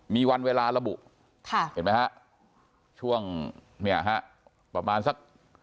มีวันเวลาระบุค่ะเห็นไหมฮะช่วงเนี่ยฮะประมาณสัก